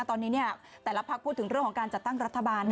ตอนนี้แต่ละพักพูดถึงเรื่องของการจัดตั้งรัฐบาล